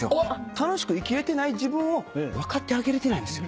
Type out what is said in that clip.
楽しく生きれてない自分を分かってあげれてないんですよ。